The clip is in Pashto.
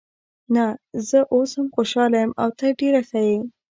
نه، زه اوس هم خوشحاله یم او ته ډېره ښه یې.